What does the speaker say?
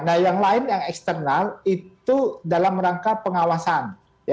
nah yang lain yang eksternal itu dalam rangka pengawasan